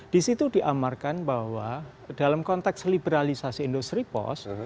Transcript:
di situ diamarkan bahwa dalam konteks liberalisasi industri pos